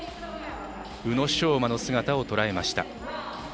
宇野昌磨の姿もとらえました。